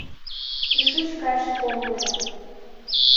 «Кӱшыч кайыше комбыжо